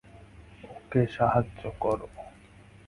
ওকে সাহায্য করো।